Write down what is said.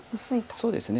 そうですね。